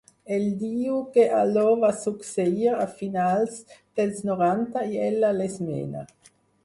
Ell diu que allò va succeir a finals dels noranta i ella l'esmena.